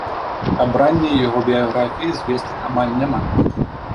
Аб ранняй яго біяграфіі звестак амаль няма.